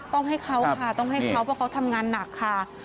ต้องให้เขาค่ะต้องให้เขาเพราะเขาทำงานหนักค่ะ